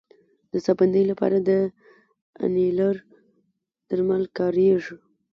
د ساه بندۍ لپاره د انیلر درمل کارېږي.